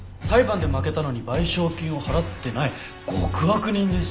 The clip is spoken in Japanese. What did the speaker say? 「裁判で負けたのに賠償金を払ってない極悪人です」